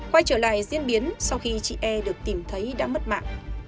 quay trở lại diễn biến sau khi chị e được tìm thấy đã mất mạng